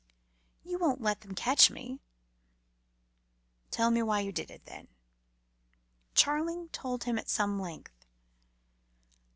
You won't let them catch me?" "Tell me why you did it, then." Charling told him at some length.